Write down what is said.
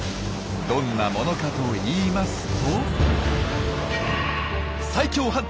どんなものかといいますと。